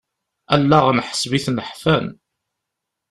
Allaɣen ḥseb-iten ḥfan.